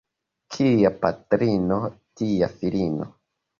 Kia patrino, tia filino.